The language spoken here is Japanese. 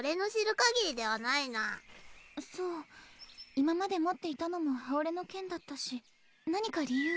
今まで持っていたのも刃折れの剣だったし何か理由が。